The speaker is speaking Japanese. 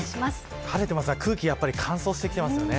晴れていますが空気が乾燥してきていますよね。